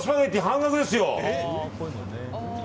半額ですよ！